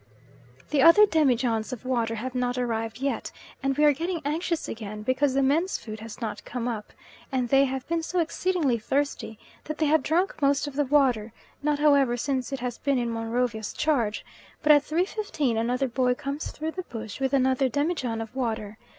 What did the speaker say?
The other demijohns of water have not arrived yet, and we are getting anxious again because the men's food has not come up, and they have been so exceedingly thirsty that they have drunk most of the water not, however, since it has been in Monrovia's charge; but at 3.15 another boy comes through the bush with another demijohn of water.